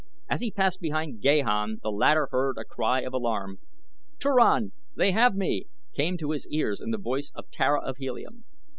As he passed behind Gahan the latter heard a cry of alarm. "Turan, they have me!" came to his ears in the voice of Tara of Helium.